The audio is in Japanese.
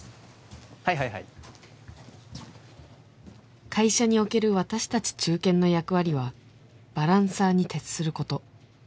はいはいはい会社における私達中堅の役割はバランサーに徹すること